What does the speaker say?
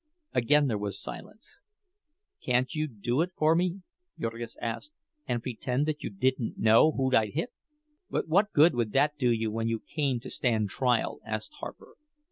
Again there was silence. "Can't you do it for me," Jurgis asked, "and pretend that you didn't know who I'd hit?" "But what good would that do you when you came to stand trial?" asked Harper.